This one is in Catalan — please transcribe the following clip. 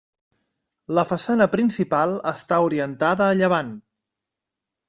La façana principal està orientada a llevant.